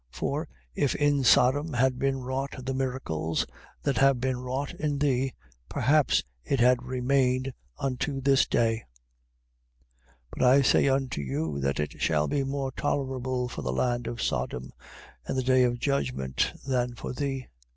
For if in Sodom had been wrought the miracles that have been wrought in thee, perhaps it had remained unto this day. 11:24. But I say unto you, that it shall be more tolerable for the land of Sodom in the day of judgment than for thee.